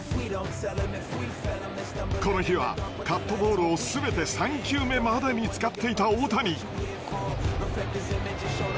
この日はカットボールをすべて３球目までに使っていた大谷。